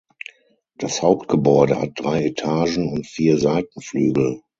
Das Hauptgebäude hat drei Etagen und vier Seitenflügel.